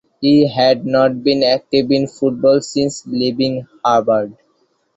He had not been active in football since leaving Harvard.